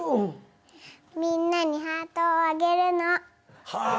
みんなにハートをあげるの。はあ。